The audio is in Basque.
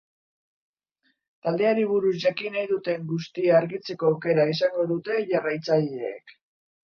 Taldeari buruz jakin nahi duten guztia argitzeko aukera izango dute jarraitzaileek.